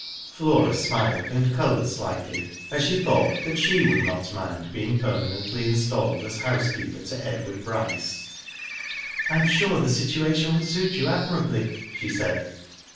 Flora smiled, and coloured slightly, as she thought she would not mind being permanently installed as housekeeper to Edward Bryce. Digitized byGoogk TIVO GIRLS. 63 "I am sure the situation would suit you admirably/' she said.